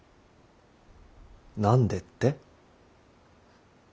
何でって？